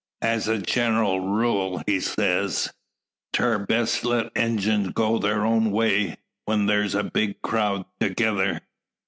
"As a gen'ral rule," he says, "Tair best let Injuns go thar own way when thar's a big crowd thegitter.